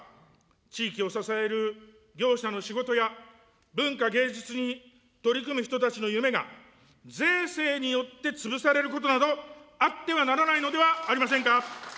地域を支える業者の仕事や、文化芸術に取り組む人たちの夢が税制によって潰されることなど、あってはならないのではありませんか。